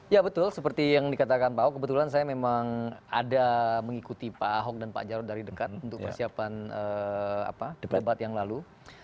ya betul seperti yang dikatakan pak ahok kebetulan saya memang ada mengikuti pak ahok dan pak jarod dari dekat untuk persiapan debat yang lalu